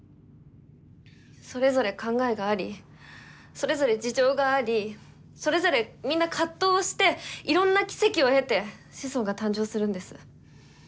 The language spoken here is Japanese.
それぞれ考えがありそれぞれ事情がありそれぞれみんな葛藤をしていろんな奇跡を経て子孫が誕生するんです。